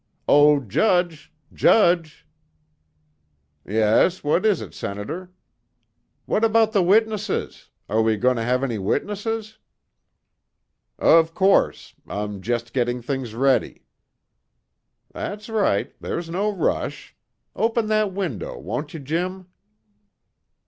"Oh Judge ... Judge...." "Yes, what is it, Senator?" "What about the witnesses? Are we going to have any witnesses?" "Of course. I'm just getting things ready." "That's right. There's no rush. Open that window, won't you Jim?"